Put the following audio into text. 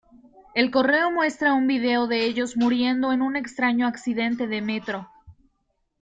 El correo muestra un video de ellos muriendo en un extraño accidente de metro.